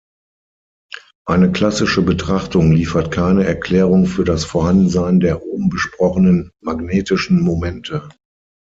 Eine klassische Betrachtung liefert keine Erklärung für das Vorhandensein der oben besprochenen magnetischen Momente.